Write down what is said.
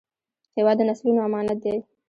هېواد د نسلونو امانت دی.